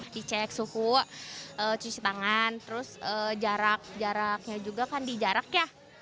dicek suhu cuci tangan terus jarak jaraknya juga kan di jarak ya